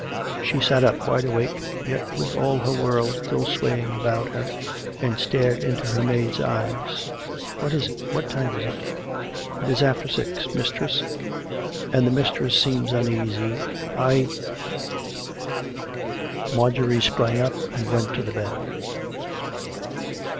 She sat up, wide awake, yet with all her world still swaying about her, and stared into her maid's eyes. " What is it? What time is it? "" It is after six, mistress. And the mistress seems un easy. I " Marjorie sprang up and went to the bed.